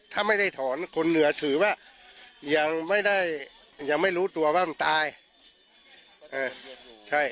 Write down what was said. ถ้าไม่ได้ถอนคนเหนือถือว่ายังไม่ได้รู้ตัวว่าถือว่ามันตาย